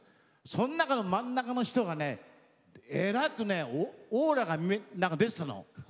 その中の真ん中の人がねえらくオーラが出てたの。